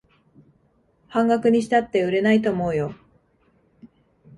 半額にしたって売れないと思うよ